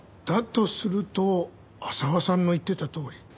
だとすると浅輪さんの言ってたとおり。